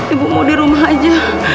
ibu mau di rumah aja